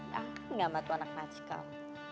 ya kan nggak bantu anak nackal